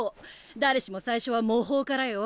誰しも最初は模倣からよ。